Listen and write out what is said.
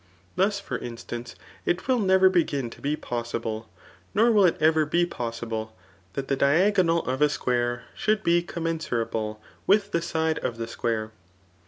Thus, for instance, it will never begin to be possible, nor will it ever be possible, that the diag<mal of a square should be commensurable with the side of the square.